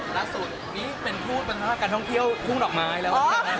นี่เป็นพูดปัญหาการท่องเที่ยวทุ่งดอกไม้แล้ว